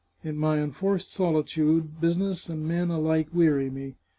In my enforced solitude, business and men alike weary me.